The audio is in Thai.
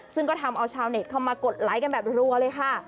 ซึ่งก็ทำเอาชาวเน็ตเข้ามากดไลค์กันแบบรัวเลยค่ะ